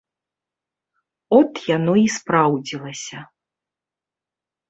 От яно і спраўдзілася.